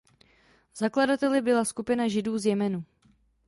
Zakladateli byla skupina Židů z Jemenu.